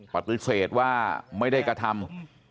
ปฏิเสธว่าไม่ได้กระทำ